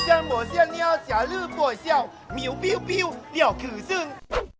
แจ้งหมดเสี้ยเนี่ยสยะลืมป่วยเซี่ยวหมิวพิวพิวเดี๋ยวขือซึ่ง